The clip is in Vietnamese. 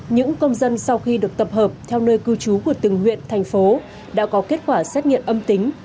những công dân sau khi được tập hợp theo nơi cư trú của từng huyện thành phố đã có kết quả xét nghiệm âm tính